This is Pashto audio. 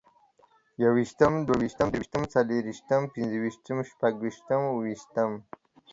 يوویشتم، دوويشتم، دريوشتم، څلورويشتم، پنځوويشتم، شپږويشتم، اوويشتمه